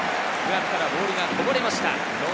グラブからボールがこぼれました。